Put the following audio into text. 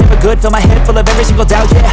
emang beda ya kalau anak sultan ya